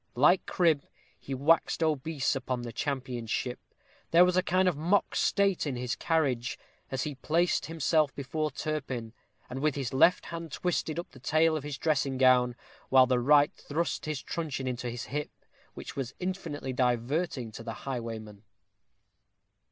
Like Cribb, he waxed obese upon the championship. There was a kind of mock state in his carriage, as he placed himself before Turpin, and with his left hand twisted up the tail of his dressing gown, while the right thrust his truncheon into his hip, which was infinitely diverting to the highwayman.